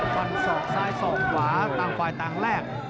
ฟันศอกซ้ายสอกขวาต่างฝ่ายต่างแลก